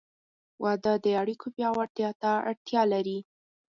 • واده د اړیکو پیاوړتیا ته اړتیا لري.